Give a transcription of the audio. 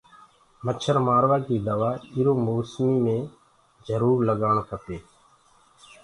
مڇآ مآروآ ڪي دوآ اُرو موسمو مي جروُر لگآڻ ڪپينٚ۔